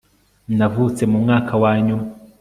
navutse mu mwaka wa nyuma